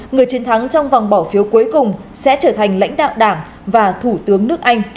người chiến thắng trong vòng bỏ phiếu cuối cùng sẽ trở thành lãnh đạo đảng và thủ tướng nước anh